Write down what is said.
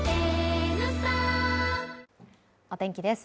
お天気です